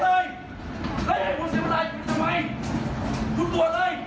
ไม่เดี๋ยวตวดตวดตวดตวดตวดตวดเลย